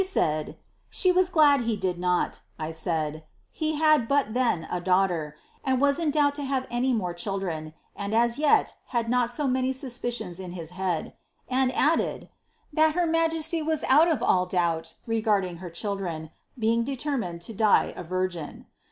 160 Aid, ^she wMglad he did not ;' I said, ^ he had but then a daughter^ iras in doubt to have any more children, and as yet had not so ' auspicions in his head.' And added, ^ that her majesty was out 1 doubi regarding her children, being determined to die a virgin.'